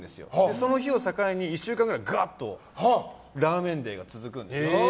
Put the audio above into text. その日を境に、１週間くらいがーっとラーメンデーが続くんですよ。